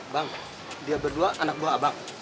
bang dia berdua anak buah abang